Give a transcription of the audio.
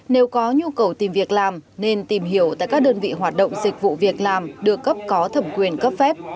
nếu có nhu cầu tìm việc làm nên tìm hiểu tại các đơn vị hoạt động dịch vụ việc làm được cấp có thẩm quyền cấp phép